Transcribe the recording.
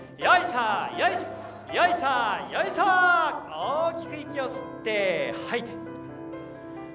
大きく息を吸って吐いて。